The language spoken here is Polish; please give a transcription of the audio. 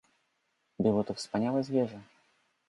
"Było to wspaniałe zwierzę."